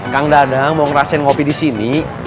kum dadang mau ngerasain kopi disini